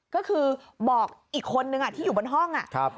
ก็คือบอกอีกคนนึงอ่ะที่อยู่บนห้องอ่ะครับ